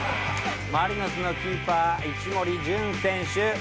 マリノスのキーパー一森純選手。